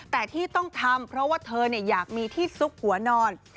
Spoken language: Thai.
แต่ที่ต้องทำเพราะว่าเธออยากมีที่ซุกหัวนอน